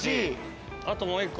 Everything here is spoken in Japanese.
あともう１個。